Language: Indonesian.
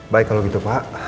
baik kalau gitu pak